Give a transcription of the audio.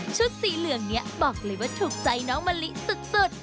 สีเหลืองนี้บอกเลยว่าถูกใจน้องมะลิสุด